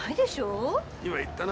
今言ったな？